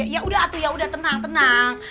yaudah tuh yaudah tenang tenang